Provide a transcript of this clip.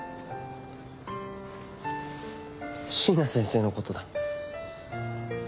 椎名先生のことだ。